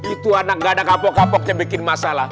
itu anak anak kapok kapoknya bikin masalah